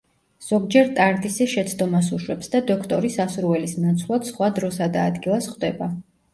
ზოგჯერ ტარდისი შეცდომას უშვებს და დოქტორი სასურველის ნაცვლად სხვა დროსა და ადგილას ხვდება.